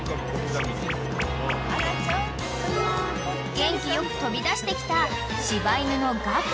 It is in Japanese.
［元気よく飛び出してきた柴犬の］